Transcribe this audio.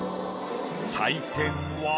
採点は。